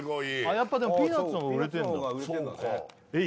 やっぱでもピーナツのが売れてんだえっ